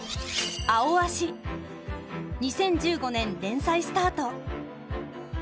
２０１５年連載スタート。